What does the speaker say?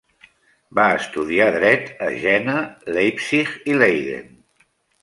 Va estudiar dret a Jena, Leipzig i Leyden.